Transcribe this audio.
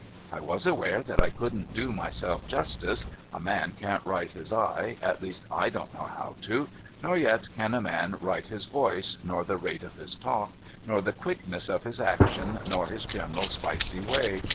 I was aware that I couldn't do myself justice. A man can't write his eye (at least /don't know how to), nor yet can a man write his voice, nor the rate of his talk, nor the quickness of liis action, nor his general spicy way.